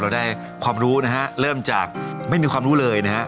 ได้ความรู้นะฮะเริ่มจากไม่มีความรู้เลยนะฮะ